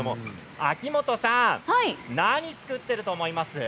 秋元さん何を作っていると思いますか？